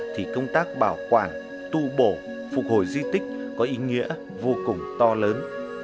thì công tác bảo quản tu bổ phục hồi di tích có ý nghĩa vô cùng to lớn